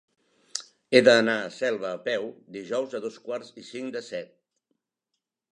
He d'anar a Selva a peu dijous a dos quarts i cinc de set.